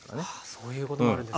そういうこともあるんですね。